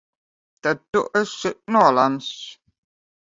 Tad tu esi nolemts!